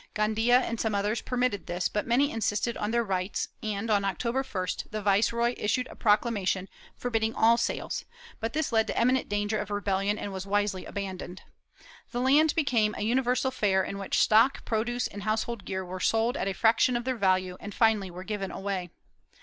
Gandia and some others permitted this, but many insisted on their rights and, on October 1st, the viceroy issued a procla mation forbidding all sales, but this led to imminent danger of rebellion and was wisely abandoned. The land became a uni versal fair in which stock, produce and household gear were sold at a fraction of their value, and finally were given away.